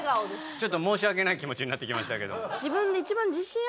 ちょっと申し訳ない気持ちになってきましたけど。